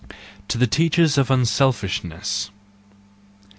To the Teachers of Unselfishness.